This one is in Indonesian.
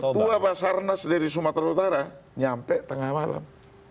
tua basarnas dari sumatera utara nyampe tengah malam